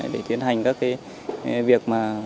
để tiến hành các việc